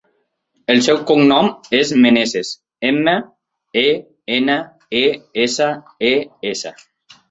El seu cognom és Meneses: ema, e, ena, e, essa, e, essa.